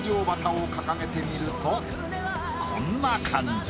こんな感じ。